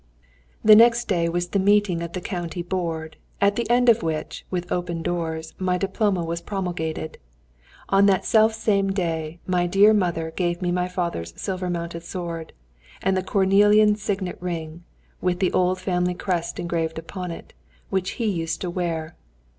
The next day was the meeting of the county board, at the end of which, with open doors, my diploma was promulgated. On that self same day my dear mother gave me my father's silver mounted sword, and the cornelian signet ring, with the old family crest engraved upon it, which he used to wear.